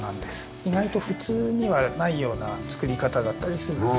意外と普通にはないような造り方だったりするので。